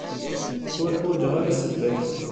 Ur ḥwajeɣ ara ssebba-k.